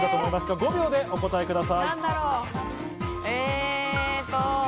５秒でお答えください。